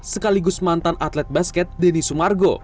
sekaligus mantan atlet basket denny sumargo